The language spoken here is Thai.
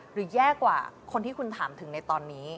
แย่กว่าคนที่คุณถามถึงในตอนนี้